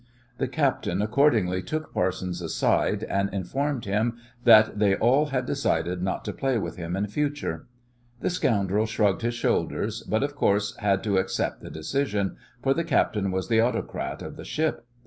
The captain accordingly took Parsons aside and informed him that they all had decided not to play with him in future. The scoundrel shrugged his shoulders, but, of course, had to accept the decision, for the captain was the autocrat of the ship.